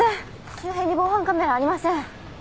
周辺に防犯カメラはありません。